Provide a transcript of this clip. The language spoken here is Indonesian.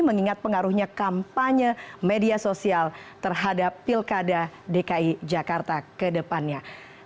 mengingat pengaruhnya kampanye media sosial terhadap pilkada dki jakarta ke depannya